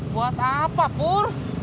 buat apa pur